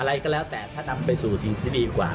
อะไรก็แล้วแต่ถ้านำไปสู่สิ่งที่ดีกว่า